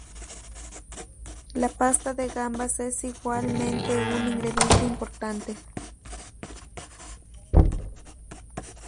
La pasta de gambas es igualmente un ingrediente importante.